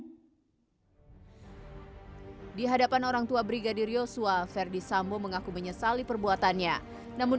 hai di hadapan orangtua brigadir yosua ferdi sambo mengaku menyesali perbuatannya namun